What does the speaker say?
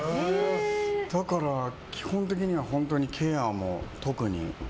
だから、基本的には本当にケアも特に。